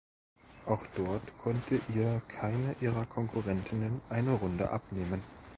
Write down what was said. Auch dort konnte ihr keine ihrer Konkurrentinnen eine Runde abnehmen.